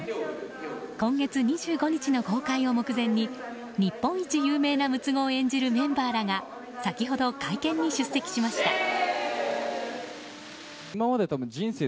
今月２５日の公開を目前に日本一有名な六つ子を演じるメンバーらが先ほど、会見に出席しました。